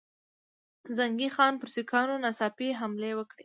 زنګي خان پر سیکهانو ناڅاپي حمله وکړه.